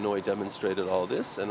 nó muốn phát triển